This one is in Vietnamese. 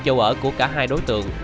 châu ở của cả hai đối tượng